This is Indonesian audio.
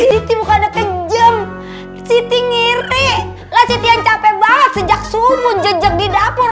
siti bukan ada kejam siti ngiri lah siti yang capek banget sejak sumun jejek di dapur